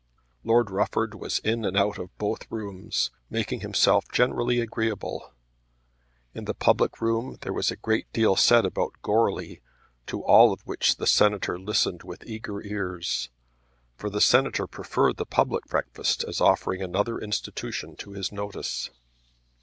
Lord Rufford was in and out of both rooms, making himself generally agreeable. In the public room there was a great deal said about Goarly, to all of which the Senator listened with eager ears, for the Senator preferred the public breakfast as offering another institution to his notice.